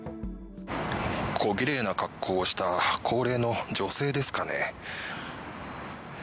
こぎれいな格好をした高齢の女性ですかね。